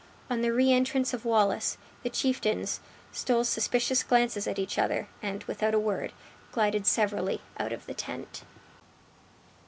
On the reentrance of Wallace, the chieftains, stole suspicious glances at each other, and, without a word, glided severally out of the tent.